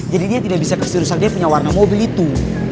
jadi dia tidak bisa kasih rusak dia punya warna mobil itu